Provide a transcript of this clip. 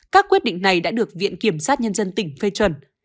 các quyết định này đã được viện kiểm sát nhân dân tỉnh phê chuẩn